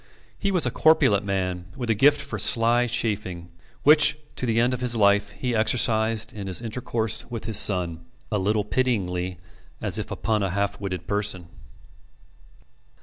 He was a corpulent man, with a gift for sly chaffing, which to the end of his life he exercised in his intercourse with his son, a little pityingly, as if upon a half witted person.